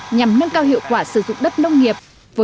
nhằm nâng cao hiệu quả sử dụng đất nông nghiệp